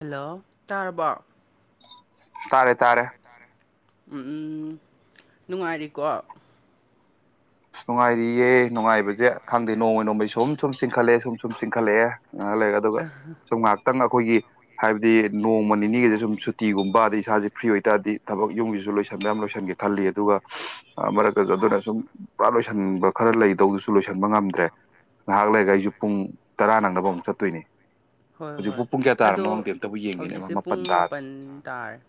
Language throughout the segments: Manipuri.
ꯍꯜꯂꯣ ꯇꯥꯔꯕꯣ ꯇꯥꯔꯦ ꯥꯇꯥꯔꯦ ꯇꯥꯔꯦ ꯎꯝ ꯎꯝ ꯅꯨꯡꯉꯥꯏꯔꯤꯀꯣ? ꯅꯨꯡꯉꯥꯏꯔꯤ ꯏꯦ ꯅꯨꯡꯉꯥꯏꯕꯁꯦ ꯈꯪꯗꯦ ꯅꯣꯡꯃꯩ ꯅꯣꯡꯃꯩ ꯁꯨꯝ ꯁꯨꯝ ꯆꯤꯡꯈꯠꯂꯛꯑꯦ ꯁꯨꯝ ꯁꯨꯝ ꯆꯤꯡꯈꯠꯂꯛꯑꯦ ꯉꯥꯏꯍꯛ ꯂꯩꯔꯒ ꯑꯗꯨꯒ ꯁꯨꯝ ꯉꯥꯏꯍꯥꯛꯇꯪ ꯑꯩꯈꯣꯏꯒꯤ ꯍꯥꯏꯕꯗꯤ ꯅꯣꯡꯃ ꯅꯤꯅꯤꯒꯤꯁꯦ ꯁꯨꯝ ꯁꯨꯇꯤꯒꯨꯝꯕ ꯑꯗꯩ ꯏꯁꯥꯁꯦ ꯐ꯭ꯔꯤ ꯑꯣꯏꯇꯥꯔꯗꯤ ꯊꯕꯛ ꯌꯨꯝꯒꯤꯁꯨ ꯂꯣꯏꯁꯤꯟꯕ ꯌꯕ ꯂꯣꯏꯁꯤꯟꯒꯦ ꯈꯜꯂꯤ ꯑꯗꯨꯒ ꯃꯔꯛꯇꯁꯨ ꯑꯗꯨꯅ ꯁꯨꯝ ꯄꯨꯔꯥ ꯂꯣꯏꯁꯤꯟꯕ ꯈꯔ ꯂꯩꯗꯧꯗꯨꯁꯨ ꯂꯣꯏꯁꯤꯟꯕ ꯉꯝꯗ ꯇ꯭ꯔꯦ ꯉꯥꯏꯍꯥꯛ ꯂꯩꯒ ꯑꯩꯁꯨ ꯄꯨꯡ ꯇꯔꯥ ꯅꯪꯅꯕ ꯑꯃꯨꯛ ꯆꯠꯇꯣꯏꯅꯦ꯫ ꯍꯣꯏ ꯍꯣꯏ ꯍꯧꯖꯤꯛꯄꯨ ꯄꯨꯡ ꯀꯌꯥ ꯇꯥꯔꯕꯅꯣ ꯑꯗꯣ ꯈꯪꯗꯦ ꯑꯝꯇꯕꯨ ꯌꯦꯡꯒꯦꯅꯦ ꯍꯧꯖꯤꯛꯁꯦ ꯃꯥꯄꯟ ꯄꯨꯡ ꯇꯥꯔꯦ ꯃꯥꯄꯜ ꯇꯥꯔꯦ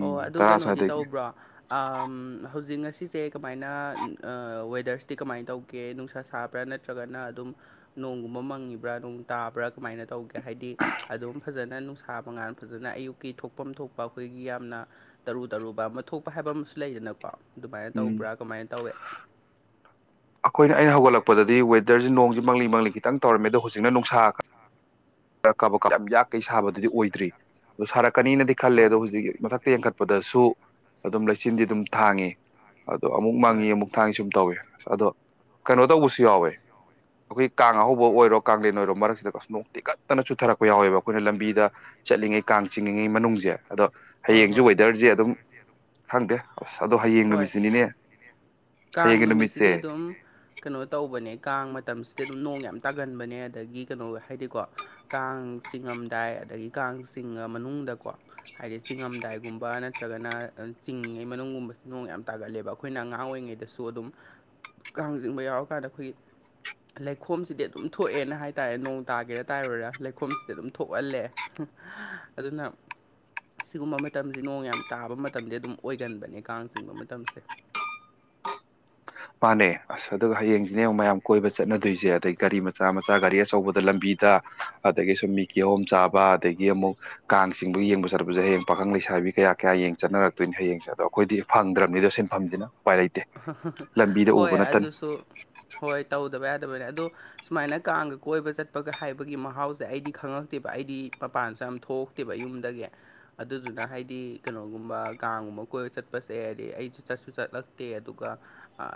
ꯑꯣ ꯑꯗꯨ ꯇꯔꯥ ꯀꯩꯅꯣꯗꯤ ꯁ꯭ꯋꯥꯏꯗꯒꯤ ꯇꯧꯕ꯭ꯔꯣ? ꯑꯝ ꯍꯧꯖꯤꯛ ꯉꯁꯤꯁꯦ ꯀꯃꯥꯏꯅ ꯋꯦꯗꯔꯁꯇꯤ ꯀꯃꯥꯏꯅ ꯇꯧꯒꯦ ꯅꯨꯡꯁꯥ ꯁꯥꯞ ꯄꯔ ꯅꯠꯇ꯭ꯔꯒꯅ ꯑꯗꯨꯝ ꯅꯣꯡꯒꯨꯝꯕ ꯃꯪꯉꯤꯕꯔ ꯇꯥꯕ꯭ꯔꯥ ꯀꯃꯥꯏꯅ ꯇꯧꯒꯦ꯫ ꯍꯥꯏꯗꯤ ꯑꯗꯨꯝ ꯐꯖꯅ ꯅꯨꯡꯁꯥꯕ ꯉꯥꯟ ꯐꯖꯅ ꯑꯌꯨꯛꯀꯤ ꯊꯣꯛꯐꯝ ꯊꯣꯛꯄ ꯑꯩꯈꯣꯏꯒꯤ ꯌꯥꯝꯅ ꯇꯔꯨ ꯇꯔꯨꯕ ꯑꯃ ꯊꯣꯛꯄ ꯍꯥꯏꯕ ꯑꯃꯁꯨ ꯂꯩꯗꯅꯀꯣ ꯑꯗꯨꯃꯥꯏꯅ ꯎꯝ ꯇꯧꯕ꯭ꯔꯥ ꯀꯃꯥꯏꯅ ꯇꯧꯋꯤ꯫ ꯑꯩꯈꯣꯏꯅ ꯑꯩꯅ ꯍꯧꯒꯠꯂꯛꯄꯗꯗꯤ ꯋꯦꯗꯔꯁꯦ ꯅꯣꯡꯁꯤ ꯃꯪꯂꯤ ꯃꯪꯂꯤ ꯈꯤꯇꯪ ꯇꯧꯔꯝꯃꯦ ꯑꯗꯣ ꯍꯧꯖꯤꯛꯅ ꯅꯨꯡꯁꯥ ꯀꯕꯥꯛ ꯀꯕꯥꯛ ꯌꯥꯝ ꯌꯥꯛ ꯀꯩ ꯁꯥꯕꯗꯨꯗꯤ ꯑꯣꯏꯗ꯭ꯔꯤ ꯑꯗꯣ ꯁꯥꯔꯛꯀꯅꯤꯅꯗꯤ ꯈꯜꯂꯦ ꯍꯣꯏ ꯑꯗꯣ ꯍꯧꯖꯤꯛ ꯃꯊꯛꯇ ꯌꯦꯡꯈꯠꯄꯗꯁꯨ ꯑꯗꯨꯝ ꯂꯩꯆꯤꯟꯗꯤ ꯑꯗꯨꯝ ꯊꯥꯡꯉꯤ ꯑꯗꯣ ꯑꯃꯨꯛ ꯍꯣꯏ ꯃꯥꯡꯉꯤ ꯑꯃꯨꯛ ꯊꯥꯡꯉ ꯁꯨꯝ ꯇꯧꯏ ꯑꯁ ꯑꯗꯣ ꯀꯩꯅꯣ ꯇꯧꯕꯁꯤ ꯌꯥꯎꯋꯦ ꯑꯩꯈꯣꯏ ꯀꯥꯡ ꯑꯍꯧꯕ ꯑꯣꯏꯔꯣ ꯀꯥꯡꯂꯦꯟ ꯑꯣꯏꯔꯣ ꯃꯔꯛꯁꯤꯗ ꯅꯣꯡ ꯇꯤꯀꯠꯇꯅ ꯆꯨꯊꯔꯛꯄ ꯌꯥꯎꯋꯦꯕ ꯑꯩꯈꯣꯏꯅ ꯂꯝꯕꯤꯗ ꯆꯠꯂꯤꯉꯩ ꯀꯥꯡ ꯆꯤꯡꯉꯤꯉꯩ ꯃꯅꯨꯡꯁꯦ ꯑꯗꯣ ꯍꯣꯏ ꯍꯌꯦꯡꯁꯨ ꯍꯣꯏ ꯋꯦꯗꯔꯁꯦ ꯑꯗꯨꯝ ꯈꯪꯗꯦ ꯑꯁ ꯑꯗꯣ ꯍꯌꯦꯡ ꯍꯣꯏ ꯅꯨꯃꯤꯠꯁꯤꯅꯤꯅꯦ ꯍꯌꯦꯡꯒꯤ ꯅꯨꯃꯤꯠ ꯁꯤꯒꯤ ꯑꯗꯨꯝ ꯑꯗꯨꯝ ꯀꯩꯅꯣ ꯇꯧꯕꯅꯦ ꯀꯥꯡ ꯃꯇꯝꯁꯤꯗ ꯑꯗꯨꯝ ꯅꯣꯡ ꯌꯥꯝ ꯇꯥꯒꯟꯕꯅꯦ ꯑꯗꯒꯤ ꯀꯩꯅꯣ ꯍꯥꯏꯗꯤꯀꯣ ꯀꯥꯡ ꯆꯤꯡꯉꯝꯗꯥꯏ ꯑꯗꯒꯤ ꯀꯥꯡ ꯆꯤꯡꯉ ꯃꯅꯨꯡꯗꯀꯣ ꯍꯥꯏꯗꯤ ꯆꯤꯡꯉꯝꯗꯥꯏꯒꯨꯝꯕ ꯅꯠꯇ꯭ꯔꯒꯅ ꯆꯤꯡꯉꯩ ꯃꯅꯨꯡꯒꯨꯝꯕ ꯅꯣꯡ ꯌꯥꯝ ꯇꯥꯒꯠꯂꯦꯕ ꯑꯩꯈꯣꯏꯅ ꯑꯉꯥꯡ ꯑꯣꯏꯔꯤꯉꯩꯗꯁꯨ ꯑꯗꯨꯝ ꯀꯥꯡꯖꯤꯡꯕ ꯌꯥꯎꯔꯀꯥꯟꯗ ꯑꯩꯈꯣꯏꯒꯤ ꯂꯩꯈꯣꯝꯁꯤꯗꯤ ꯑꯗꯨꯝ ꯊꯣꯛꯑꯦꯅ ꯍꯥꯏꯇꯥꯔꯦ ꯅꯣꯡ ꯇꯥꯒꯦꯔꯥ ꯇꯥꯏꯔꯣꯏꯔꯥ ꯂꯩꯈꯣꯝꯁꯤꯗꯤ ꯑꯗꯨꯝ ꯊꯣꯛꯍꯜꯂꯦ꯫ ꯑꯗꯨꯅ ꯁꯤꯒꯨꯝꯕ ꯃꯇꯝꯖꯦ ꯅꯣꯡ ꯌꯥꯝ ꯇꯥꯕ ꯃꯇꯝꯗꯤ ꯑꯗꯨꯝ ꯑꯣꯏꯒꯟꯕꯅꯦ ꯀꯥꯡ ꯆꯤꯡꯕ ꯃꯇꯝꯖꯦ ꯃꯥꯥꯅꯦ ꯑꯁ ꯑꯗꯨꯒ ꯍꯌꯦꯡ ꯁꯤꯅꯦ ꯃꯌꯥꯝ ꯀꯣꯏꯕ ꯆꯠꯅꯗꯣꯏꯖꯦ ꯑꯗꯩ ꯒꯥꯔꯤ ꯃꯆꯥ ꯃꯆꯥ ꯒꯥꯔꯤ ꯑꯆꯧꯕꯗ ꯂꯝꯕꯤꯗ ꯑꯗꯒꯤ ꯁꯨꯝ ꯃꯤ ꯀꯤ ꯍꯣꯝ ꯆꯥꯕ ꯑꯗꯒꯤ ꯑꯃꯨꯛ ꯀꯥꯡ ꯆꯤꯡꯕ ꯌꯦꯡꯕ ꯆꯠꯄꯖꯦ ꯍꯌꯦꯡ ꯄꯥꯈꯪ ꯂꯩꯁꯥꯕꯤ ꯀꯌꯥ ꯀꯌꯥ ꯌꯦꯡ ꯆꯠꯅꯔꯛꯇꯣꯏꯅꯦ ꯍꯌꯦꯡꯁꯦ ꯑꯗꯣ ꯑꯈꯣꯏꯗꯤ ꯐꯪꯗ꯭ꯔꯝꯅꯤꯗꯣ ꯁꯤꯟꯐꯝꯖꯤꯅ ꯎꯄꯥꯏ ꯂꯩꯇꯦ ꯂꯝꯕꯤꯗ ꯎꯕ ꯍꯣꯏ ꯅꯠꯇꯅ ꯑꯗꯨꯁꯨ ꯍꯣꯏ ꯇꯧꯗꯕ ꯌꯥꯗꯕꯅꯤ ꯑꯗꯣ ꯁꯨꯃꯥꯏꯅ ꯀꯥꯡꯒ ꯀꯣꯏꯕ ꯆꯠꯄꯒ ꯍꯥꯏꯕꯒꯤ ꯃꯍꯥꯎꯖꯦ ꯑꯩꯗꯤ ꯈꯪꯉꯛꯇꯦꯕ ꯑꯩꯗꯤ ꯃꯄꯥꯟꯁꯨ ꯌꯥꯝ ꯊꯣꯛ ꯇꯦꯕ ꯌꯨꯝꯗꯒꯤ ꯑꯗꯨꯗꯨꯅ ꯍꯥꯏꯗꯤ ꯀꯩꯅꯣꯒꯨꯝꯕ ꯀꯥꯡꯒꯨꯝꯕ ꯀꯣꯏꯕ ꯆꯠꯄꯁꯦ ꯍꯥꯏꯗꯤ ꯑꯩꯁꯨ ꯆꯠꯁꯨ ꯆꯠꯂꯛ ꯇꯦ ꯑꯗꯨꯒ ꯑ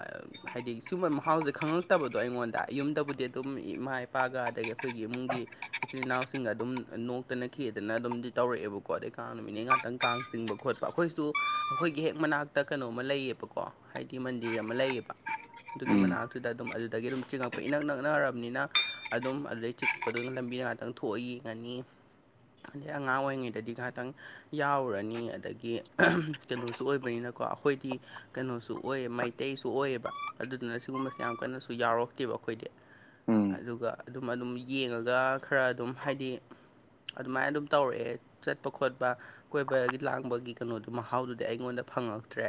ꯍꯥꯏꯗꯤ ꯁꯤꯒꯨꯝꯕꯩ ꯃꯍꯥꯎꯖꯦ ꯈꯪꯉꯛꯇꯕꯗꯣ ꯑꯩꯉꯣꯟꯗ ꯌꯨꯝꯗꯕꯨꯗꯤ ꯑꯗꯨꯝ ꯏꯃꯥ ꯏꯄꯥꯒ ꯑꯗꯒꯤ ꯑꯈꯣꯏꯒꯤ ꯏꯃꯨꯡꯒꯤ ꯏꯆꯤꯜ ꯏꯅꯥꯎꯁꯤꯡꯒ ꯑꯗꯨꯝ ꯅꯣꯛꯇꯅ ꯈꯦꯗꯅ ꯑꯗꯨꯝꯗꯤ ꯇꯧꯔꯛꯑꯦꯕꯀꯣ ꯑꯗꯩ ꯀꯥꯡ ꯅꯨꯃꯤꯠꯅꯦ ꯉꯥꯛꯇꯪ ꯀꯥꯡ ꯆꯤꯡꯕ ꯈꯣꯠ ꯄ ꯑꯈꯣꯏꯁꯨ ꯑꯈꯣꯏꯒꯤ ꯍꯦꯛ ꯃꯅꯥꯛꯇ ꯀꯩꯅꯣꯝꯃ ꯂꯩꯌꯦꯕꯀꯣ ꯍꯥꯏꯗꯤ ꯃꯟꯗꯤꯔ ꯑꯃ ꯂꯩꯌꯦꯕ ꯑꯗꯨꯒꯤ ꯎꯝ ꯃꯅꯥꯛꯇꯨꯗ ꯑꯗꯨꯝ ꯑꯗꯨꯗꯒꯤ ꯑꯗꯨꯝ ꯆꯤꯡꯉꯛꯄ ꯏꯅꯛ ꯅꯛꯅꯔꯝꯅꯤꯅ ꯑꯗꯨꯝ ꯑꯗꯩ ꯆꯤꯛꯄꯗꯨꯅ ꯂꯝꯕꯤꯗ ꯉꯥꯛꯇꯪ ꯊꯣꯛꯑ ꯌꯦꯡꯉꯅꯤ ꯑꯗꯩ ꯑꯉꯥꯡ ꯑꯣꯏꯔꯤꯉꯩꯗꯗꯤ ꯉꯥꯛꯇꯪ ꯌꯥꯎꯔꯨꯔꯅꯤ ꯑꯗꯒꯤ ꯀꯩꯅꯣꯁꯨ ꯑꯣꯏꯕꯅꯤꯅꯀꯣ ꯑꯈꯣꯏꯗꯤ ꯀꯩꯅꯣꯁꯨ ꯑꯣꯏꯌꯦ ꯃꯩꯇꯩꯁꯨ ꯑꯣꯏꯌꯦꯕ ꯑꯗꯨꯗꯨꯅ ꯁꯤꯒꯨꯝꯕꯁꯦ ꯌꯥꯝ ꯀꯟꯅꯁꯨ ꯌꯥꯎꯔꯛꯇꯦꯕ ꯑꯈꯣꯏꯗꯤ ꯎꯝ ꯑꯗꯨꯒ ꯑꯗꯨꯝ ꯑꯗꯨꯝ ꯌꯦꯡꯉꯒ ꯈꯔ ꯑꯗꯨꯝ ꯍꯥꯏꯗꯤ ꯑꯗꯨꯃꯥꯏ ꯑꯗꯨꯝ ꯇꯧꯔꯛꯑꯦ ꯆꯠꯄ ꯈꯣꯠꯄ ꯀꯣꯏꯕꯒꯤ ꯂꯥꯡꯕꯒꯤ ꯀꯩꯅꯣꯗꯨ ꯃꯍꯥꯎꯗꯨꯗꯤ ꯑꯩꯉꯣꯟꯗ ꯐꯪꯉꯛꯇ꯭ꯔꯦ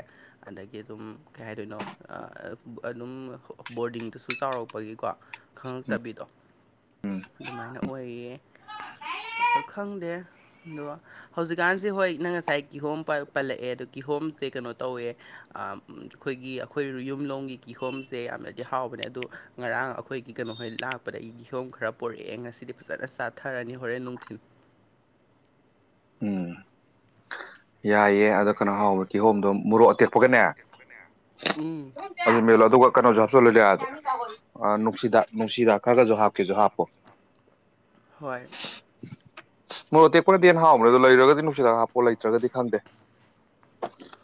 ꯑꯗꯒꯤ ꯑꯗꯨꯝ ꯀꯩ ꯍꯥꯏꯗꯣꯏꯅꯣ ꯑꯗꯨꯝ ꯕꯣꯔꯗꯤꯡꯗꯁꯨ ꯆꯥꯎꯔꯛꯄꯒꯤꯀꯣ ꯈꯪꯉꯛꯇꯕꯤꯗꯣ ꯑꯗꯨꯃꯥꯏꯅ ꯑꯣꯏꯌꯦ ꯑꯗꯨ ꯈꯪꯗꯦ ꯑꯗꯣ ꯍꯧꯖꯤꯛꯀꯥꯟꯁꯦ ꯍꯣꯏ ꯅꯪ ꯉꯁꯥꯏ ꯀꯤꯍꯣꯝ ꯄꯜꯂꯛꯑꯦ ꯑꯗꯣ ꯀꯤꯍꯣꯝꯁꯦ ꯀꯩꯅꯣ ꯇꯧꯋꯦ ꯑꯈꯣꯏꯒꯤ ꯑꯈꯣꯏ ꯌꯨꯝꯂꯣꯡꯝꯒꯤ ꯀꯤꯍꯣꯝꯁꯦ ꯌꯥꯝꯅꯗꯤ ꯍꯥꯎꯕꯅꯦ ꯑꯗꯨ ꯉꯔꯥꯡ ꯑꯈꯣꯏꯒꯤ ꯀꯩꯅꯣꯍꯣꯏ ꯂꯥꯛꯄꯗ ꯏ ꯒꯤꯍꯣꯝ ꯈꯔ ꯄꯣꯔꯛꯑꯦ ꯉꯁꯤꯗꯤ ꯐꯖꯅ ꯆꯥꯊꯔꯅꯤ ꯍꯣꯔꯦꯟ ꯅꯨꯡꯊꯤꯟ ꯎꯝ ꯌꯥꯏꯌꯦ ꯑꯗꯣ ꯀꯅꯥꯍꯥꯎꯕ ꯀꯤꯍꯣꯝꯗꯣ ꯃꯣꯔꯣꯛ ꯑꯇꯦꯛꯄꯒꯅꯦ ꯎꯝ ꯑꯗꯨ ꯃꯦꯠꯂꯣ ꯑꯗꯨꯒ ꯀꯩꯅꯣꯁꯨ ꯍꯥꯞꯆꯜꯂꯨ [unintelligible] ꯑ ꯅꯨꯡꯁꯤꯗꯥꯛ ꯅꯨꯡꯁꯤꯗꯥꯛ ꯈꯔꯒꯖꯨ ꯍꯥꯞꯀꯦꯖꯨ ꯍꯥꯞꯄꯣ ꯍꯣꯏ ꯃꯣꯔꯣꯛ ꯑꯇꯦꯛꯄꯅꯗꯤ ꯍꯦꯟꯅ ꯍꯥꯎꯕꯅꯦ ꯑꯗꯣ ꯂꯩꯔꯒꯗꯤ ꯅꯨꯡꯁꯤꯗꯥꯛ ꯍꯥꯞꯄꯣ ꯂꯩꯇ꯭ꯔꯥꯒꯗꯤ ꯈꯪꯗꯦ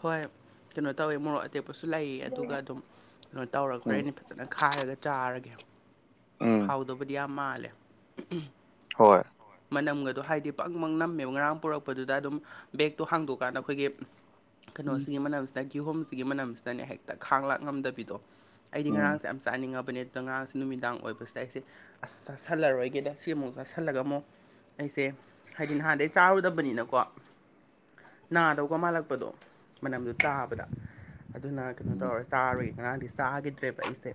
ꯍꯣꯏ ꯀꯩꯅꯣ ꯇꯧꯋꯦ ꯃꯣꯔꯣꯛ ꯑꯇꯦꯛꯄꯁꯨ ꯂꯩꯌꯦ ꯑꯗꯨꯒ ꯑꯗꯨꯝ ꯀꯩꯅꯣ ꯇꯧꯔ ꯎꯝ ꯍꯣꯔꯦꯟ ꯐꯖꯅ ꯈꯥꯏꯔꯒ ꯆꯥꯔꯒꯦ ꯎꯝ ꯍꯥꯎꯗꯧꯕꯨꯗꯤ ꯌꯥꯝ ꯃꯥꯜꯂꯦ ꯍꯣꯏ ꯃꯅꯝꯒꯗꯣ ꯍꯥꯏꯗꯤ ꯕꯪ ꯕꯪ ꯅꯝꯃꯦꯕ ꯉꯔꯥꯡ ꯄꯨꯔꯛꯄꯗꯨꯗ ꯑꯗꯨꯝ ꯕꯦꯛꯇꯣ ꯍꯥꯡꯗꯣꯛꯀꯥꯟꯗ ꯑꯈꯣꯏꯒꯤ ꯎꯝ ꯀꯩꯅꯣꯁꯤꯒꯤ ꯃꯅꯝꯁꯤꯅ ꯀꯤꯍꯣꯝꯁꯤꯒꯤ ꯃꯅꯝꯁꯤꯅꯅꯦ ꯍꯦꯛꯇ ꯈꯥꯡ ꯂꯥꯛ ꯉꯝꯗꯕꯤꯗꯣ ꯑꯩꯗꯤ ꯎꯝ ꯉꯔꯥꯡꯁꯦ ꯌꯥꯝ ꯆꯥꯅꯤꯡꯉꯕꯅꯩ ꯑꯗꯨꯗ ꯉꯔꯥꯡꯁꯦ ꯅꯨꯃꯤꯗꯥꯡ ꯑꯣꯏꯕꯁꯤꯗ ꯑꯩꯁꯦ ꯑꯁ ꯆꯥꯁꯟꯂꯥꯔꯣꯏꯒꯦꯗ ꯁꯤꯃꯨꯛ ꯆꯥ ꯁꯟꯂꯒ ꯑꯃꯨꯛ ꯑꯩꯁꯦ ꯍꯥꯏꯗꯤ ꯅꯍꯥꯟꯗꯒꯤ ꯆꯥꯔꯨꯗꯕꯅꯤꯅꯀꯣ ꯅꯥꯗꯧꯒ ꯃꯥꯜꯂꯛꯄꯗꯣ ꯃꯅꯝꯗꯨ ꯇꯥꯕꯗ ꯑꯗꯨꯅ ꯀꯩꯅꯣ ꯎꯝ ꯇꯧꯔ ꯆꯥꯔꯣꯏ ꯉꯔꯥꯡꯗꯤ ꯆꯥꯒꯤꯗ꯭ꯔꯦꯕ ꯑꯩꯁꯦ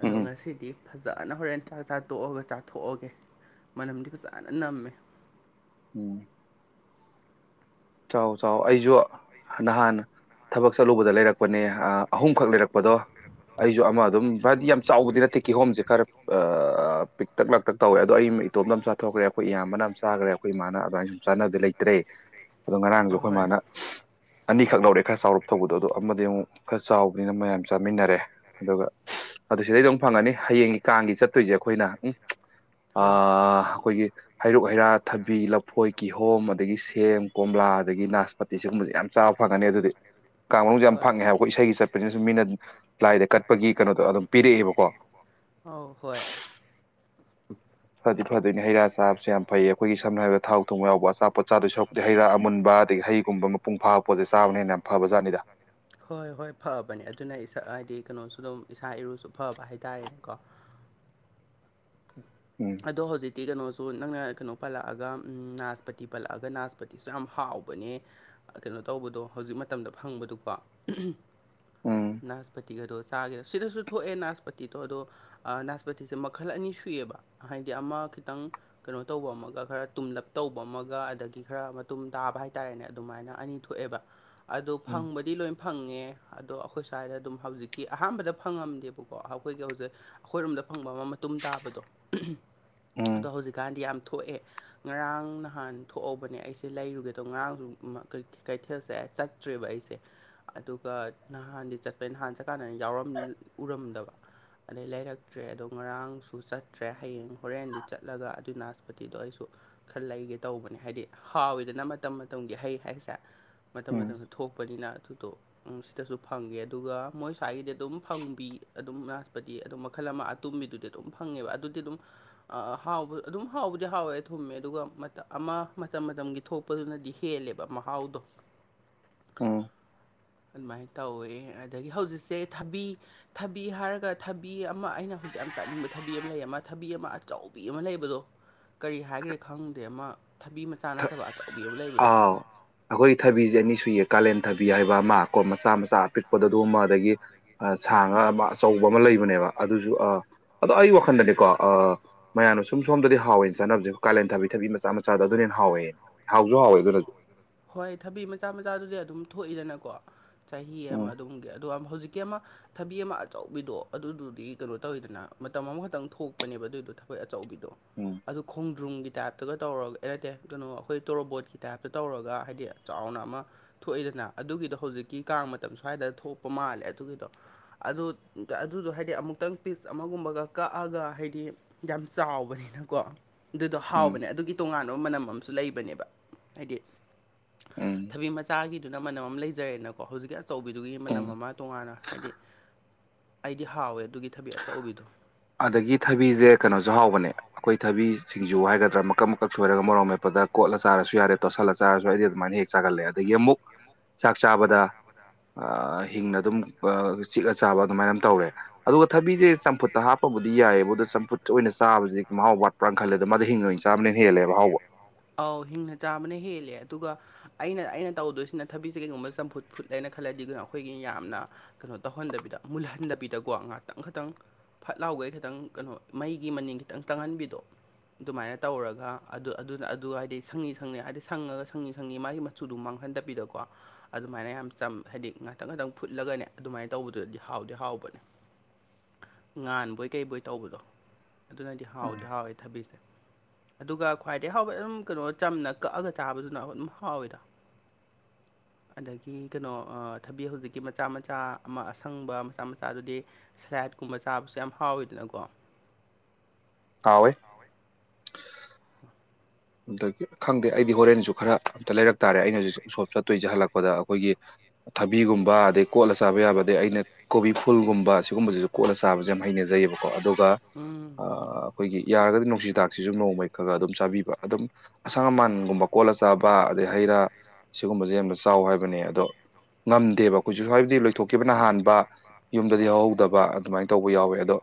ꯑꯗꯣ ꯎꯝ ꯉꯁꯤꯗꯤ ꯐꯖꯅ ꯍꯣꯔꯦꯟ ꯆꯥꯛ ꯆꯥ ꯇꯣꯛꯑꯒ ꯆꯥꯊꯣꯛꯑꯒꯦ ꯃꯅꯝꯗꯤ ꯐꯖꯅ ꯅꯝꯃꯦ ꯎꯝ ꯆꯥꯎ ꯆꯥꯎ ꯑꯩꯁꯨ ꯅꯍꯥꯟ ꯊꯕꯛ ꯆꯠꯂꯨꯕꯗ ꯂꯩꯔꯛ ꯄꯅꯦ ꯑꯍꯨꯝꯈꯛ ꯂꯩꯔꯛꯄꯗꯣ ꯑꯩꯁꯨ ꯑꯃ ꯑꯗꯨꯝ ꯍꯥꯏꯗꯤ ꯌꯥꯝ ꯆꯥꯎꯕꯗꯤ ꯅꯠꯇꯦ ꯀꯤꯍꯣꯝꯁꯦ ꯈꯔꯞ ꯄꯤꯛꯇꯛ ꯂꯥꯛꯇꯛ ꯇꯧꯋꯦꯗꯣ ꯑꯩ ꯑꯃ ꯏꯇꯣꯝ ꯑꯃ ꯆꯥꯊꯣꯛꯈ꯭ꯔꯦ ꯑꯩꯈꯣꯏ ꯏꯌꯥꯝꯕꯅ ꯌꯥꯝ ꯆꯥꯈ꯭ꯔꯦ ꯑꯈꯣꯏ ꯏꯃꯥ ꯑꯗꯨꯃꯥꯏꯅ ꯁꯨꯝ ꯆꯥꯅꯕꯗꯒꯤ ꯂꯩꯇ꯭ꯔꯦ ꯑꯗꯣ ꯉꯔꯥꯡꯁꯨ ꯑꯩꯈꯣꯏ ꯑꯍꯣꯏ ꯃꯥꯅ ꯑꯅꯤꯈꯛ ꯂꯧꯔꯦ ꯈꯔ ꯆꯥꯎꯔꯞ ꯊꯧꯕꯗꯣ ꯑꯗꯣ ꯑꯃꯗꯤ ꯑꯃꯨꯛ ꯈꯔ ꯆꯥꯎꯕꯅꯤꯅ ꯃꯌꯥꯝ ꯆꯥꯃꯤꯟꯅꯔꯦ ꯑꯗꯨꯒ ꯑꯗꯨ ꯁꯤꯗꯩꯗ ꯑꯃ ꯐꯪꯉꯅꯤ ꯍꯌꯦꯡꯒꯤ ꯀꯥꯡꯒꯤ ꯆꯠꯇꯣꯏꯁꯦ ꯑꯩꯈꯣꯏꯅ ꯎꯝ ꯑ ꯍꯣꯏ ꯑꯩꯈꯣꯏꯒꯤ ꯍꯩꯔꯨꯛ ꯍꯩꯔꯥ ꯊꯕꯤ ꯂꯐꯣꯏ ꯀꯤꯍꯣꯝ ꯑꯗꯒꯤ ꯁꯦꯝꯦꯡ ꯀꯣꯝꯂꯥ ꯑꯗꯒꯤ ꯅꯥꯁꯄꯇꯤ ꯁꯤꯒꯨꯝꯕꯁꯦ ꯌꯥꯝ ꯆꯥꯕ ꯐꯒꯅꯤ ꯑꯗꯨꯗꯤ ꯀꯥꯡ ꯃꯅꯨꯡ ꯌꯥꯝ ꯍꯣꯏ ꯐꯪꯉꯦ ꯍꯥꯏꯕꯀꯣ ꯏꯁꯩꯒꯤ ꯆꯠꯄꯁꯤꯅꯁꯨ ꯃꯤꯅ ꯂꯥꯏꯗ ꯀꯠꯄꯒꯤ ꯀꯩꯅꯣꯗꯣ ꯑꯗꯨꯝ ꯄꯤꯔꯛꯑꯦꯕꯀꯣ ꯑ ꯍꯣꯏ ꯐꯗꯤ ꯐꯗꯣꯏꯅꯤ ꯍꯩꯥ ꯆꯕꯁꯨ ꯌꯥꯝ ꯐꯩꯌꯦ ꯑꯩꯈꯣꯏꯒꯤ ꯁꯝꯅ ꯍꯥꯏꯔꯕꯗ ꯊꯣꯡ ꯌꯥꯎ ꯑꯆꯥꯣꯠꯆꯥꯗꯣꯏ ꯁꯔꯨꯛ ꯑꯩ ꯍꯩ ꯔꯥ ꯑꯃꯨꯕ ꯑꯗꯒꯤ ꯍꯩꯒꯨꯝꯕ ꯃꯄꯨꯡ ꯐꯥꯕ ꯄꯣꯠꯁꯦ ꯆꯥꯕ ꯍꯦꯟꯅ ꯌꯥꯝ ꯐꯕꯖꯥꯠꯅꯤꯗ ꯍꯣꯏ ꯍꯣꯏ ꯐꯕꯅꯦ ꯑꯗꯨꯅ ꯏꯁꯛ ꯍꯥꯏꯗꯤ ꯀꯩꯅꯣꯁꯨ ꯑꯗꯨꯝ ꯏꯁꯥ ꯏꯔꯨꯁꯨ ꯐꯕ ꯍꯥꯏꯇꯥꯔꯦꯅꯦꯀꯣ ꯍ ꯎꯝ ꯑꯗꯣ ꯍꯧꯖꯤꯛꯇꯤ ꯀꯩꯅꯣꯁꯨ ꯅꯪꯅ ꯀꯩꯅꯣ ꯄꯜꯂꯛꯑꯒ ꯅꯥꯁꯄꯇꯤ ꯄꯜꯂꯛꯑꯒ ꯅꯥꯖꯄꯇꯤꯁꯨ ꯌꯥꯝ ꯍꯥꯎꯕꯅꯦ ꯀꯩꯅꯣ ꯇꯧꯕꯗꯣ ꯍꯧꯖꯤꯛ ꯃꯇꯝꯗ ꯐꯪꯕꯗꯨꯀꯣ ꯎꯝ ꯅꯥꯁꯄꯇꯤꯒꯗꯣ ꯆꯥꯒꯦꯗ ꯁꯤꯗꯁꯨ ꯊꯣꯛꯑꯦ ꯅꯥꯁꯄꯇꯤꯗꯣ ꯑꯗꯣ ꯅꯥꯁꯄꯇꯤꯁꯦ ꯃꯈꯜ ꯑꯅꯤ ꯁ ꯁꯨꯏꯑꯕ ꯍꯥꯏꯗꯤ ꯑꯃ ꯈꯤꯇꯪ ꯀꯩꯅꯣ ꯇꯧꯕ ꯑꯃꯒ ꯈꯔ ꯇꯨꯝꯂꯞ ꯇꯧꯕ ꯑꯃꯒ ꯑꯗꯒꯤ ꯈꯔ ꯃꯇꯨꯝ ꯇꯥꯕ ꯍꯥꯏꯇꯥꯔꯦꯅꯦ ꯑꯗꯨꯃꯥꯏꯅ ꯑꯅꯤ ꯊꯣꯛ ꯊꯣꯛꯑꯦꯕ ꯑꯗꯣ ꯎꯝ ꯐꯪꯕꯗꯤ ꯂꯣꯏ ꯐꯪꯉꯦ ꯑꯗꯣ ꯑꯩꯈꯣꯏ ꯁ꯭ꯋꯥꯏꯗ ꯑꯗꯨꯝ ꯍꯧꯖꯤꯛꯀꯤ ꯑꯍꯥꯟꯕꯗ ꯐꯪꯉꯝꯗꯦꯕꯀꯣ ꯑꯩꯈꯣꯏꯒꯤ ꯍꯧꯖꯤꯛ ꯑꯩꯈꯣꯏꯔꯣꯝꯗ ꯐꯪꯕ ꯑꯃ ꯃꯇ ꯇꯥꯕꯗꯣ ꯑꯗꯣ ꯎꯝ ꯍꯧꯖꯤꯛꯀꯥꯟꯗꯤ ꯌꯥꯝ ꯊꯣꯛꯑꯦ ꯉꯔꯥꯡ ꯅꯍꯥꯟ ꯊꯣꯛꯍꯧꯕꯅꯦ ꯑꯩꯁꯦ ꯂꯩꯔꯨꯒꯦꯗꯣ ꯉꯔꯥꯡꯁꯨ ꯀꯩꯊꯦꯜꯁꯦ ꯆꯠꯇ꯭ꯔꯦꯕ ꯑꯩꯁꯦ ꯑꯗꯨꯒ ꯅꯍꯥꯟꯗꯤ ꯆꯠꯄꯩ ꯅꯍꯥꯟ ꯆꯠꯀꯥꯟꯗꯅ ꯌꯥꯎꯔꯝ ꯎꯔꯝꯗꯕ ꯑꯗꯩ ꯂꯩꯔꯛꯇ꯭ꯔꯦ ꯑꯗꯣ ꯉꯔꯥꯡꯁꯨ ꯆꯠꯇ꯭ꯔꯦ ꯍꯌꯦꯡ ꯍꯣꯔꯦꯟꯗꯤ ꯆꯠꯂꯒ ꯑꯗꯨꯏꯅ ꯄꯣꯇꯤꯗꯣ ꯑꯩꯁꯨ ꯈꯔ ꯂꯩꯒꯦ ꯇꯧꯕꯅꯦ ꯍꯥꯏꯗꯤ ꯍꯥꯎꯋꯤꯗꯅ ꯃꯇꯝ ꯃꯇꯝꯒꯤ ꯍꯩ ꯍꯥꯏꯁꯦ ꯃꯇꯝ ꯎꯝ ꯃꯇꯝꯗ ꯊꯣꯛꯄꯅꯤꯅ ꯑꯗꯨꯗꯣ ꯁꯤꯗꯁꯨ ꯐꯪꯉꯦ ꯑꯗꯨꯒ ꯃꯣꯏ ꯁ꯭ꯋꯥꯏꯒꯤꯗꯤ ꯑꯗꯨꯝ ꯐꯪꯕꯤ ꯑꯗꯨꯝ ꯗꯤ ꯑꯗꯨꯝ ꯃꯈꯜ ꯑꯃ ꯑꯇꯨꯝꯕꯤꯗꯨꯗꯤ ꯑꯗꯨꯝ ꯐꯪꯉꯦꯕ ꯑꯗꯨꯗꯤ ꯑꯗꯨꯝ ꯍꯥꯎꯕ ꯑꯗꯨꯝ ꯍꯥꯎꯕꯗꯤ ꯍꯥꯎꯋꯦ ꯊꯨꯝꯃꯦ ꯑꯗꯨꯒ ꯑꯃ ꯃꯇꯝ ꯃꯇꯝꯒꯤ ꯊꯣꯛꯄ ꯄꯗꯨꯅꯗꯤ ꯍꯦꯜꯂꯦꯕ ꯃꯍꯥꯎꯗꯣ ꯎꯝ ꯑꯗꯨꯃꯥꯏꯅ ꯇꯧꯋꯦ ꯑꯗꯒꯤ ꯍꯧꯖꯤꯛꯁꯦ ꯊꯕꯤ ꯊꯕꯤ ꯍꯥꯏꯔꯒ ꯊꯕꯤ ꯑꯃ ꯑꯩꯅ ꯍꯧꯖꯤꯛ ꯌꯥꯝ ꯆꯠꯅꯤꯡ ꯊꯕꯤ ꯑꯃ ꯂꯩ ꯑꯃ ꯊꯕꯤ ꯑꯃ ꯑꯆꯧꯕꯤ ꯑꯃ ꯂꯩꯕꯗꯣ ꯀꯔꯤ ꯍꯥꯏꯈ꯭ꯔꯦ ꯈꯪꯗꯦ ꯑꯃ ꯊꯕꯤ ꯃꯆꯥ ꯅꯠꯇꯕ ꯑꯆꯧꯕꯤ ꯑꯃ ꯂꯩꯕꯗꯣ ꯑꯥꯎ ꯑꯩꯈꯣꯏꯒꯤ ꯊꯕꯤꯁꯦ ꯑꯅꯤ ꯁꯨꯏꯌꯦ ꯀꯥꯂꯦꯟ ꯊꯕꯤ ꯍꯥꯏꯕ ꯑꯃ ꯀꯣ ꯃꯆꯥ ꯃꯆꯥ ꯑꯄꯤꯛꯄꯗ ꯑꯗꯨꯒꯨꯝꯕ ꯑꯗꯒꯤ ꯁꯥꯥꯡ ꯉ ꯑꯃ ꯑꯆꯧꯕ ꯑꯃ ꯂꯩꯕꯅꯦꯕ ꯑꯗꯨꯁꯨ ꯑ ꯑꯗꯣ ꯑꯩ ꯋꯥꯈꯟꯗꯗꯤꯀꯣ ꯑ ꯃꯌꯥꯝꯅ ꯁꯨꯝ ꯁꯣꯝꯗꯗꯤ ꯍꯥꯎꯋꯦꯅ ꯆꯥꯟꯅꯕꯁꯦꯣꯏ ꯀꯥꯂꯦꯟ ꯊꯥꯕꯤ ꯊꯕꯤ ꯃꯆꯥ ꯃꯆꯥꯗ ꯑꯗꯨꯅꯅ ꯍꯥꯎꯋꯦ ꯍꯥꯎꯁꯨ ꯍꯥꯎꯋꯦ ꯑꯗꯨꯅꯁꯨ ꯍꯣꯏ ꯊꯕꯤ ꯃꯆꯥ ꯃꯆꯥꯗꯨꯗꯤ ꯑꯗꯨꯝ ꯊꯣꯛꯏꯗꯅꯀꯣ ꯆꯍꯤ ꯑꯃ ꯎꯝ ꯑꯗꯨꯝꯒꯤ ꯑꯗꯨ ꯍꯧꯖꯤꯛ ꯀꯤ ꯑꯃ ꯊꯕꯤ ꯑꯃ ꯑꯆꯧꯕꯤꯗꯣ ꯑꯗꯨꯗꯨꯗꯤ ꯀꯩꯅꯣ ꯇꯧꯋꯤꯗꯅ ꯃꯇꯝ ꯑꯃꯈꯛꯇꯪ ꯊꯣꯛꯄꯅꯦꯕ ꯑꯗꯨꯏꯗꯣ ꯊꯕꯤ ꯑꯆꯧꯕꯤꯗꯣ ꯎꯝ ꯑꯗꯨ ꯈꯣꯡꯗ꯭ꯔꯨꯝꯒꯤ ꯇꯥꯏꯞꯇꯒ ꯇꯧꯔꯒ ꯑꯦ ꯅꯠꯇꯦ ꯀꯩꯅꯣ ꯑꯩꯈꯣꯏ ꯇꯣꯔꯣꯕꯣꯠꯀꯤ ꯇꯥꯏꯞꯇ ꯇꯧꯔꯒ ꯍꯥꯏꯗꯤ ꯆꯥꯎꯅ ꯑꯃ ꯊꯣꯛꯏꯗꯅ ꯑꯗꯨꯒꯤꯗꯣ ꯍꯧꯖꯤꯛꯀꯤ ꯀꯥꯡ ꯃꯇꯝ ꯁ꯭ꯋꯥꯏꯗ ꯊꯣꯛꯄ ꯃꯥꯜꯂꯦ ꯑꯗꯨꯒꯤꯗꯣ ꯑꯗꯨ ꯑꯗꯨꯗꯣ ꯍꯥꯏꯗꯤ ꯑꯃꯨꯛꯇꯪ ꯄꯤꯁ ꯑꯃꯒꯨꯝꯕꯒ ꯀꯛꯑꯒ ꯍꯥꯏꯗꯤ ꯌꯥꯝ ꯆꯥꯎꯕꯅꯤꯅꯀꯣ ꯑꯗꯨꯗꯣ ꯎꯝ ꯍꯥꯎꯕꯅꯦ ꯑꯗꯨꯒꯤ ꯇꯣꯉꯥꯟꯕ ꯃꯅꯝ ꯑꯃꯁꯨ ꯂꯩꯕꯅꯦꯕ ꯍꯥꯏꯗꯤ ꯎꯝ ꯊꯕꯤ ꯃꯆꯥꯒꯤꯗꯨꯅ ꯃꯅꯝ ꯑꯃ ꯂꯩꯖꯔꯦꯅꯀꯣ ꯍꯧꯖꯤꯛꯀꯤ ꯑꯆꯧꯕꯤꯗꯨꯒꯤ ꯃꯅꯝ ꯎꯝ ꯑꯃ ꯇꯣꯉꯥꯟꯅ ꯍꯥꯏꯗꯤ ꯑꯩꯗꯤ ꯍꯥꯎꯋꯦ ꯑꯗꯨꯒꯤ ꯊꯕꯤ ꯑꯆꯧꯕꯤꯗꯣ ꯑꯗꯒꯤ ꯊꯕꯤꯁꯦ ꯀꯩꯅꯣꯁꯨ ꯍꯥꯎꯕꯅꯦ ꯑꯩꯈꯣꯏ ꯊꯕꯤ ꯁꯤꯡꯖꯨ ꯍꯥꯏꯒꯗ꯭ꯔꯥ ꯃꯀꯛ ꯃꯀꯛ ꯁꯣꯏꯔꯒ ꯃꯣꯔꯣꯡ ꯃꯦꯄꯗ ꯀꯣꯠꯂ ꯆꯥꯔꯁꯨ ꯌꯥꯔꯦ ꯇꯣꯠꯁꯜꯂ ꯆꯥꯔꯁꯨ ꯑꯩꯗꯤ ꯑꯗꯨꯃꯥꯏꯅ ꯍꯦꯛ ꯆꯥꯒꯂꯑꯦ ꯑꯗꯒꯤ ꯑꯃꯨꯛ ꯆꯥꯛ ꯆꯥꯕꯗ ꯑ ꯍꯤꯡꯅ ꯑꯗꯨꯝ ꯆꯤꯛꯑ ꯆꯥꯕ ꯑꯗꯨꯃꯥꯏꯅ ꯑꯃ ꯇꯧꯔꯦ ꯑꯗꯨꯒ ꯊꯕꯤꯁꯦ ꯆꯝꯐꯨꯠꯇ ꯍꯥꯞꯄꯕꯨꯗꯤ ꯌꯥꯏꯑꯦꯕ ꯑꯗꯣ ꯆꯝꯐꯨꯠ ꯑꯣꯏꯅ ꯆꯥꯕꯁꯤꯗꯤ ꯃꯍꯥꯎ ꯋꯥꯠꯄ꯭ꯔꯥ ꯈꯜꯂꯦꯗ ꯃꯥꯗꯤ ꯍꯤꯡꯅ ꯑꯣꯏꯅ ꯆꯥꯕꯅ ꯍꯦꯜꯂꯦꯕ ꯍꯥꯎꯕ ꯑꯥꯎ ꯍꯤꯡꯅ ꯆꯥꯕꯅ ꯍꯦꯜꯂꯦ ꯑꯗꯨꯒ ꯑꯩꯅ ꯑꯩꯅ ꯇꯧꯗꯣꯏꯁꯤꯅ ꯊꯕꯤꯁꯦ ꯀꯩꯒꯨꯝꯕ ꯆꯝꯐꯨꯠ ꯐꯨꯠꯂꯦꯅ ꯈꯜꯂꯗꯤ ꯑꯩꯈꯣꯏꯒꯤ ꯌꯥꯝꯅ ꯀꯩꯅꯣ ꯇꯧꯍꯟꯗꯕꯤꯗ ꯃꯨꯜꯍꯟꯗꯕꯤꯗꯀꯣ ꯉꯥꯛꯇꯪ ꯈꯇꯪ ꯐꯠ ꯂꯥꯎꯒꯩ ꯈꯇꯪ ꯀꯩꯅꯣ ꯃꯩꯒꯤ ꯃꯅꯤꯟ ꯈꯤꯇꯪ ꯇꯪꯍꯟꯕꯤꯗꯣ ꯑꯗꯨꯃꯥꯏꯅ ꯇꯧꯔꯒ ꯑꯗꯨ ꯑꯗꯨꯅ ꯑꯗꯨ ꯍꯥꯏꯗꯤ ꯁꯪꯂꯤ ꯁꯪꯂꯤ ꯍꯥꯏꯗꯤ ꯁꯪꯉꯒ ꯁꯪꯂꯤ ꯁꯪꯂꯤ ꯃꯥꯒꯤ ꯁꯨꯗꯨ ꯃꯥꯡꯍꯟꯗꯕꯤꯗꯀꯣ ꯑꯗꯨꯃꯥꯏꯅ ꯌꯥꯝ ꯆꯝ ꯍꯥꯏꯗꯤ ꯉꯥꯛꯇꯪ ꯉꯥꯛꯇꯪ ꯐꯨꯠꯂꯒꯅꯦ ꯑꯗꯨꯃꯥꯏꯅ ꯇꯧꯕꯗꯨꯗꯗꯤ ꯍꯥꯎꯗꯤ ꯍꯥꯎꯕꯅꯦ ꯉꯥꯟꯕꯣꯏ ꯀꯩꯕꯣꯏ ꯇꯧꯕꯗꯣ ꯑꯗꯨꯅꯗꯤ ꯍꯥꯎꯗꯤ ꯍꯥꯎꯋꯦ ꯊꯕꯤꯁꯦ ꯑꯗꯨꯒ ꯈ꯭ꯋꯥꯏꯗꯒꯤꯩ ꯍꯥꯎꯕꯩ ꯑꯗꯨꯝ ꯀꯩꯅꯣ ꯆꯝꯅ ꯀꯛꯑꯒ ꯆꯥꯕꯗꯨꯅ ꯑꯗꯨꯝ ꯍꯥꯎꯋꯤꯗ ꯑꯗꯒꯤ ꯀꯩꯅꯣ ꯑ ꯊꯕꯤ ꯍꯧꯖꯤꯛꯀꯤ ꯃꯆꯥ ꯃꯆꯥ ꯑꯃ ꯑ ꯁꯪꯕ ꯃꯆꯥ ꯃꯆꯥꯗꯨꯗꯤ ꯁꯂꯥꯏꯠꯀꯨꯝꯕ ꯆꯥꯕꯁꯨ ꯌꯥꯝ ꯍꯥꯎꯋꯤꯗꯅꯀꯣ ꯍꯥꯎꯋꯤ [inaudible] ꯑꯗꯒꯤ ꯈꯪꯗꯦ ꯑꯩꯗꯤ ꯍꯣꯔꯦꯟꯁꯨ ꯈꯔ ꯑꯝꯇ ꯂꯩꯔꯛ ꯇꯥꯔꯦ ꯑꯩꯅ ꯍꯧꯖꯤꯛ ꯎꯁꯣꯞ ꯆꯠꯇꯣꯏꯁꯦ ꯍꯜꯂꯛꯄꯗ ꯑꯩꯈꯣꯏꯒꯤ ꯊꯕꯤꯒꯨꯝꯕ ꯑꯗꯒꯤ ꯀꯣꯠꯂ ꯆꯥꯕ ꯑꯗꯩ ꯑꯩꯅ ꯀꯣꯕꯤ ꯐꯨꯜꯒꯨꯝꯕ ꯁꯤꯒꯨꯝꯕꯁꯤꯁꯨ ꯀꯣꯠꯂ ꯆꯥꯕꯁꯨ ꯌꯥꯝ ꯍꯩꯅꯖꯩꯌꯦꯕꯀꯣ ꯑꯗꯨꯒ ꯎꯝ ꯑ, ꯑꯩꯈꯣꯏꯒꯤ ꯌꯥꯔꯒꯗꯤ ꯅꯨꯡꯁꯤ ꯊꯥꯛꯁꯤꯁꯨ ꯅꯣꯡꯃꯩ ꯈꯔ ꯈꯔ ꯑꯗꯨꯝ ꯆꯥꯕꯤꯕ ꯑꯗꯨꯝ ꯑꯁꯪ ꯑꯃꯥꯟꯒꯨꯝꯕ ꯀꯣꯠꯂ ꯆꯥꯕ ꯑꯗꯩ ꯍꯩ ꯔꯥ ꯁꯤꯒꯨꯝꯕꯁꯦ ꯌꯥꯝꯅ ꯆꯥꯎ ꯍꯥꯏꯕꯅꯦ ꯑꯗꯣ ꯉꯝꯗꯦꯕ ꯑꯩꯈꯣꯏꯁꯨ ꯍꯥꯏꯕꯗꯤ ꯂꯣꯏꯊꯣꯛꯈꯤꯕꯅ ꯍꯥꯟꯕ ꯌꯨꯝ ꯗꯤ ꯍꯧꯍꯧꯗꯕ ꯑꯗꯨꯃꯥꯏꯅ ꯇꯧꯕ ꯌꯥꯎꯋꯦ ꯑꯗꯣ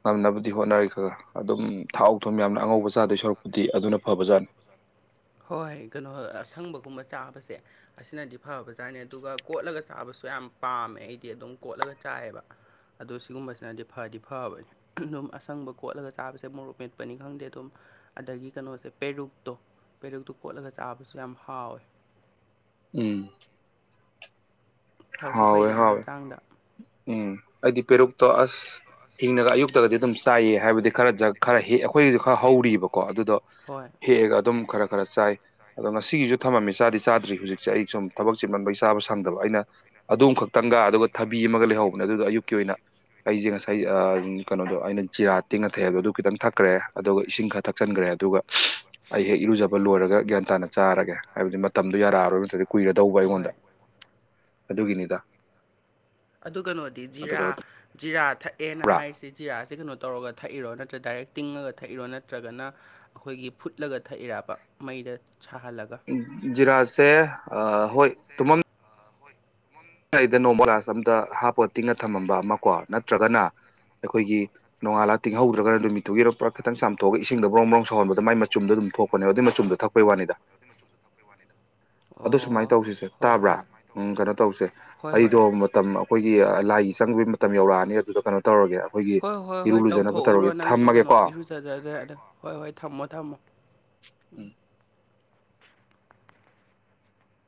ꯉꯝꯅꯕꯗꯤ ꯍꯣꯠꯅꯔꯤ ꯈꯒ ꯑꯗꯨꯝ ꯊꯥꯎ ꯊꯨꯝ ꯌꯥꯝꯅ ꯑꯉꯧꯕ ꯆꯥꯗꯣꯏ ꯁꯔꯨꯛꯄꯄꯗꯤ ꯑꯗꯨꯅ ꯐꯕꯖꯥꯠꯅꯤ ꯍꯣꯏ ꯀꯩꯅꯣ ꯑꯁꯪꯕꯒꯨꯝꯕ ꯆꯥꯕꯁꯦ ꯑꯁꯤꯅꯗꯤ ꯐꯕꯖꯥꯠꯅꯤ ꯑꯗꯨꯒ ꯀꯣꯠꯂꯒ ꯆꯥꯕꯁꯨ ꯌꯥꯝ ꯄꯥꯝꯃꯦ ꯑꯩꯗꯤ ꯑꯗꯨꯝ ꯀꯣꯠꯂꯒ ꯆꯥꯏꯌꯦꯕ ꯑꯗꯣ ꯁꯤꯒꯨꯝꯕꯁꯤꯅꯗꯤ ꯐꯗꯤ ꯐꯕꯅꯤ ꯑꯗꯨꯝ ꯑꯁꯪꯕ ꯈꯣꯠꯂꯒ ꯆꯥꯕꯁꯦ ꯃꯣꯔꯣꯛ ꯃꯦꯠꯄꯅꯤ ꯈꯪꯗꯦ ꯑꯗꯨꯝ ꯑꯗꯒꯤ ꯀꯩꯅꯣꯁꯦ ꯄꯦꯔꯨꯛꯇꯨ ꯄꯦꯔꯨꯛꯇꯨ ꯀꯣꯠꯂꯒ ꯆꯥꯕꯁꯨ ꯌꯥꯝ ꯍꯥꯎꯋꯦ ꯎꯝ ꯐꯁꯨ ꯍꯥꯎꯋꯦ ꯐꯩꯗꯅ ꯍꯥꯎꯋꯦ ꯍꯛꯆꯥꯡꯗ ꯎꯝ ꯑꯩꯗꯤ ꯄꯦꯔꯨꯛꯇꯣ ꯑꯁ ꯍꯤꯡꯅꯒ ꯑꯌꯨꯛꯇꯒꯗꯤ ꯑꯗꯨꯝ ꯆꯥꯏꯌꯦ ꯍꯥꯏꯕꯗꯤ ꯈꯔ [unintelligible] ꯈꯔ ꯑꯩꯈꯣꯏꯒꯤꯖꯨ ꯈꯔ ꯍꯧꯔꯤꯕꯀꯣ ꯑꯗꯨꯗꯣ ꯍꯣꯏ ꯍꯦꯛꯑꯒ ꯑꯗꯨꯝ ꯈꯔ ꯈꯔ ꯆꯥꯏ ꯑꯗꯣ ꯉꯁꯤꯒꯤꯖꯨ ꯊꯃꯝꯃꯤ ꯆꯥꯗꯤ ꯆꯥꯗ꯭ꯔꯤ ꯍꯧꯖꯤꯛꯁꯦ ꯑꯩ ꯁꯨꯝ ꯊꯕꯛ ꯆꯤꯟꯃꯟꯕꯩ ꯆꯥꯕ ꯁꯪꯗꯕ ꯑꯩꯅ ꯑꯗꯨꯝ ꯈꯛꯇꯪꯒ ꯑꯗꯨꯒ ꯊꯕꯤ ꯑꯃꯒ ꯂꯩꯍꯧꯕꯅꯦ ꯑꯗꯨꯗꯣ ꯑꯌꯨꯛꯀꯤ ꯑꯣꯏꯅ ꯑꯩꯖꯦ ꯉꯁꯥꯏ ꯑꯥ ꯎꯝ ꯀꯩꯅꯣꯗꯣ ꯑꯩꯅ ꯖꯤꯔꯥ ꯇꯤꯡꯉꯥ ꯊꯛꯑꯦ ꯍꯥꯏꯕꯗꯣ ꯑꯗꯨ ꯈꯤꯇꯪ ꯊꯛꯈ꯭ꯔꯦ ꯑꯗꯨꯒ ꯏꯁꯤꯡ ꯈꯔ ꯊꯛꯆꯟꯒ꯭ꯔꯦ ꯑꯗꯨꯒ ꯑꯩ ꯍꯦꯛ ꯏꯔꯨꯖꯕ ꯂꯣꯏꯔꯒ ꯒ꯭ꯌꯥꯟ ꯇꯥꯅ ꯆꯥꯔꯒꯦ ꯍꯥꯏꯕꯗꯤ ꯃꯇꯝꯗꯣ ꯌꯥꯔꯛꯑꯔꯣꯏ ꯅꯠꯇ꯭ꯔꯗꯤ ꯀꯨꯏꯔꯗꯧꯕ ꯑꯩꯉꯣꯟꯗ ꯑꯗꯨꯒꯤꯅꯤꯗ ꯑꯗꯨ ꯀꯩꯅꯣꯗꯤ ꯑꯗ ꯖꯤꯔꯥ ꯀꯩꯅꯣ ꯖꯤꯔꯥ ꯊꯛꯑꯦꯅ ꯇꯧꯕ꯭ꯔꯥ ꯍꯥꯏꯔꯤꯁꯤ ꯖꯤꯔꯥꯁꯤ ꯀꯩꯅꯣ ꯇꯧꯔꯒ ꯊꯛꯏꯔꯣ ꯅꯠꯇ꯭ꯔꯥ ꯗꯥꯏꯔꯦꯛ ꯇꯤꯡꯉꯒ ꯊꯛꯏꯔꯣ ꯅꯠꯇ꯭ꯔꯒꯅ ꯑꯩꯈꯣꯏꯒꯤ ꯐꯨꯠꯂꯒ ꯊꯛꯏꯔꯕ ꯃꯩꯗ ꯁꯥꯍꯜꯂꯒ ꯖꯤꯔꯥꯥꯁꯦ ꯖꯤꯔꯥꯁꯦ ꯑꯥ ꯍꯣꯏ ꯑꯩꯗ ꯅꯣꯡꯃ ꯒ꯭ꯂꯥꯁ ꯑꯝꯗ ꯍꯥꯞꯄꯒ ꯇꯤꯡꯉꯥ ꯊꯝꯃꯝꯕ ꯑꯃ ꯀꯣ ꯅꯠꯇ꯭ꯔꯒꯅ ꯑꯩꯈꯣꯏꯒꯤ ꯅꯣꯡꯉꯥꯜꯂꯥ ꯇꯤꯡꯍꯧꯗ꯭ꯔꯒ ꯅꯨꯃꯤꯠꯇꯨꯒꯤꯔꯥ ꯄꯨꯔꯥ ꯈꯤꯇꯪ ꯆꯥꯝꯊꯣꯛꯑꯒ ꯏꯁꯤꯡꯗ ꯕ꯭ꯔꯣꯡ ꯕ꯭ꯔꯣꯡ ꯁꯧꯍꯟꯕꯗ ꯃꯥꯏ [unintelligible] ꯃꯆꯨꯝꯗꯣ ꯑꯗꯨꯝ ꯊꯣꯛꯄꯅꯦꯕ ꯑꯗꯨꯏ ꯃꯆꯨꯝꯗ ꯊꯛꯄꯩ ꯋꯥꯅꯤꯗ [unintelligible] ꯑꯗꯨ ꯁꯨꯃꯥꯏ ꯑꯣ ꯇꯧꯁꯤꯁꯦ ꯍꯣꯏ ꯇꯥꯕ꯭ꯔꯥ ꯍꯣꯏ ꯎꯝ ꯀꯩꯅꯣ ꯇꯧꯁꯦ ꯍꯣꯏ ꯍꯣꯏ ꯑꯩꯗꯣ ꯃꯇꯝ ꯑꯩꯈꯣꯏꯒꯤ ꯂꯥꯏꯒꯤ ꯆꯪꯕꯩ ꯃꯇꯝ ꯌꯧꯔꯛꯑꯅꯤ ꯑꯗꯨꯗ ꯀꯩꯅꯣ ꯇꯧꯔꯒꯦ ꯑꯩꯈꯣꯏꯒꯤ ꯑꯗꯨꯅ ꯍꯣꯏ ꯍꯣꯏ ꯍꯣꯏ ꯏꯔꯨꯂꯨꯖꯅꯕ ꯇꯧꯊꯣꯛꯎꯔꯣ ꯇꯧꯔꯒꯦ ꯅꯪꯁꯨ ꯊꯝꯃꯒꯦꯀꯣ [unintelligible] ꯍꯣꯏ ꯍꯣꯏ ꯊꯝꯃꯣ ꯊꯝꯃꯣ ꯎꯝ